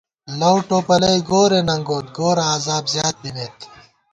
لؤ ٹوپَلئی گورے ننگوت، گورہ عذاب زیات بِمېت